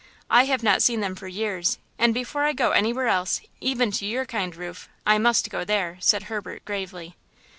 I have not seen them for years, and before I go anywhere else, even to your kind roof, I must go there," said Herbert, gravely.